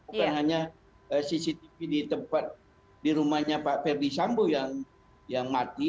bukan hanya cctv di tempat di rumahnya pak ferdi sambo yang mati